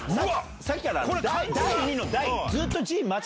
さっきから第二の第。